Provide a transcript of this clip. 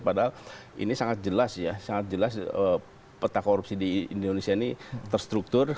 padahal ini sangat jelas ya sangat jelas peta korupsi di indonesia ini terstruktur